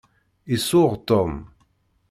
Isuɣ Tom.